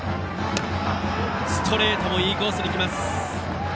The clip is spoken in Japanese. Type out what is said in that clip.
ストレートもいいコースに来ます。